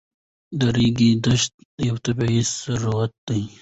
د ریګ دښتې یو طبعي ثروت دی.